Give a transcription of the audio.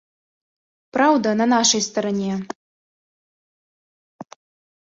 Праўда на нашай старане!